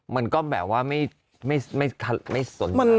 มันก็แบบว่าไม่สนใจ